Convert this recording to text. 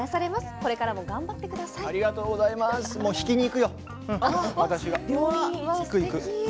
これからも頑張ってください。